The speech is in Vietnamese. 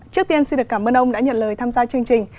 trước tiên xin được cảm ơn ông đã nhận lời tham gia chương trình